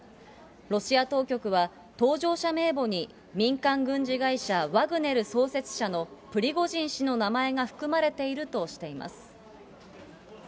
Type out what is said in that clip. ロシア当局は、搭乗者名簿に民間軍事会社、ワグネル創設者のプリゴジン氏の名前が含まれているとしています。